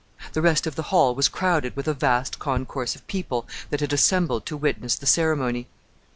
The rest of the hall was crowded with a vast concourse of people that had assembled to witness the ceremony.